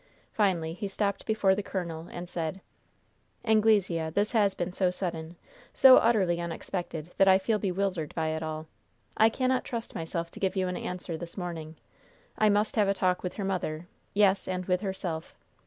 Finally he stopped before the colonel, and said: "Anglesea, this has been so sudden so utterly unexpected that I feel bewildered by it all. I cannot trust myself to give you an answer this morning. I must have a talk with her mother yes, and with herself.